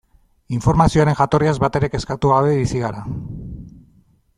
Informazioaren jatorriaz batere kezkatu gabe bizi gara.